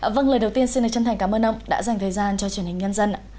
vâng lời đầu tiên xin chân thành cảm ơn ông đã dành thời gian cho truyền hình nhân dân ạ